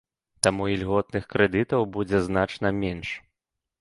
Таму ільготных крэдытаў будзе значна менш.